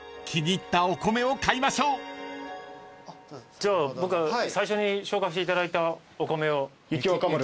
じゃあ僕最初に紹介していただいたお米を。